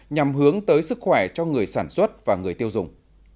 nhằm hướng tới sức khỏe cho người sản xuất và người tiêu dùng